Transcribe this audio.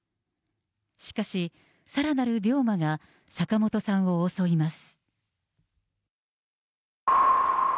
しかし、さらなる病魔が坂本さんを襲います。